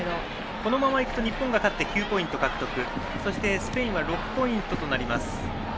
このままいくと日本が勝って９ポイント獲得スペインは６ポイントとなります。